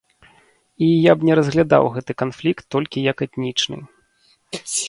І я б не разглядаў гэты канфлікт толькі як этнічны.